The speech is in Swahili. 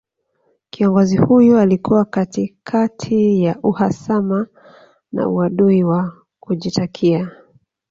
Kiongozi huyo alikuwa katikati ya uhasama na uadui wa kujitakia